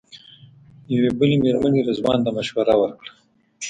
یوې بلې مېرمنې رضوان ته مشوره ورکړه.